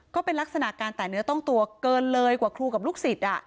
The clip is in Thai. ก็เป็นลักษณะการแต่เนื้อต้องตัวเกินเลยกว่าครูกับลูกศิษย์